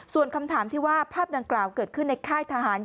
ส่วนคำถามที่ว่าภาพดังกล่าวเกิดขึ้นในค่ายทหาร